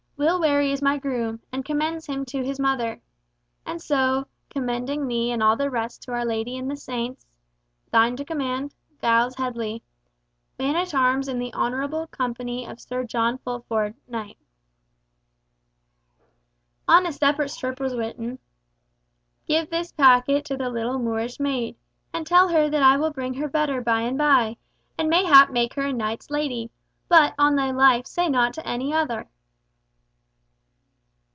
Will Wherry is my groom, and commends him to his mother. And so, commending thee and all the rest to Our Lady and the saints, "Thine to command, "Giles Headley, "Man at Arms in the Honourable Company of Sir John Fulford, Knight." On a separate strip was written— "Give this packet to the little Moorish maid, and tell her that I will bring her better by and by, and mayhap make her a knight's lady; but on thy life, say nought to any other."